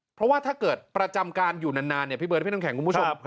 เพราะว่าถ้าเกิดประจำการอยู่นานเนี่ยพี่เบิร์ดพี่น้ำแข็งคุณผู้ชม